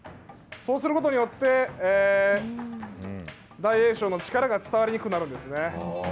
そうすることによって大栄翔の力が伝わりにくくなるんですね。